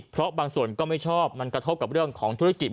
เพราะบางส่วนก็ไม่ชอบมันกระทบกับเรื่องของธุรกิจ